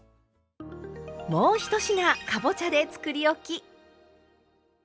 もう１品かぼちゃでつくりおき！